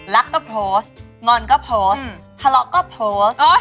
ก็โพสต์งอนก็โพสต์ทะเลาะก็โพสต์